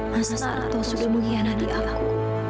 mas starto sudah mengkhianati aku